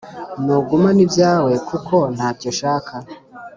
nugumane ibyawe kuko ntabyoshaka